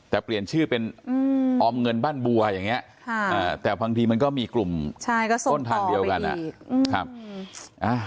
แต่เปลี่ยนชื่อเป็นออมเงินบ้านบัวอย่างนี้แต่บางทีมันก็มีกลุ่มต้นทางเดียวกัน